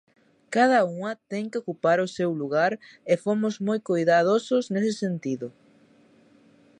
Cada unha ten que ocupar o seu lugar e fomos moi coidadosos nese sentido.